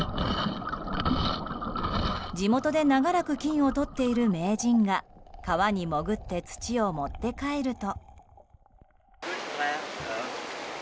地元で長らく金をとっている名人が川に潜って土を持って帰ると。